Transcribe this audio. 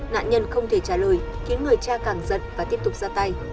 nạn nhân không thể trả lời khiến người cha càng giật và tiếp tục ra tay